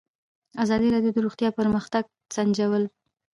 ازادي راډیو د روغتیا پرمختګ سنجولی.